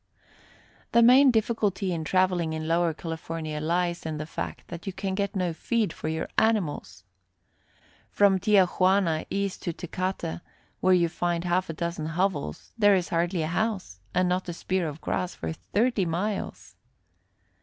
The main difficulty in traveling in Lower California lies in the fact that you can get no feed for your animals. From Tia Juana east to Tecate, where you find half a dozen hovels, there is hardly a house and not a spear of grass for thirty miles.